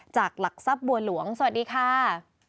หลักทรัพย์บัวหลวงสวัสดีค่ะ